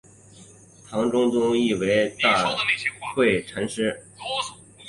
唐中宗谥其为大惠禅师。